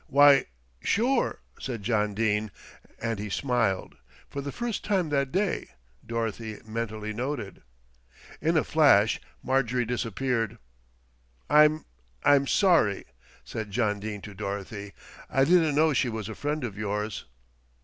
"Why, sure," said John Dene and he smiled, for the first time that day, Dorothy mentally noted. In a flash Marjorie disappeared. "I'm I'm sorry," said John Dene to Dorothy. "I didn't know she was a friend of yours."